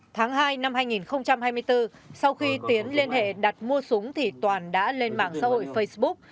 tháng hai năm hai nghìn hai mươi bốn sau khi tiến liên hệ đặt mua súng thì toàn đã lên mạng xã hội facebook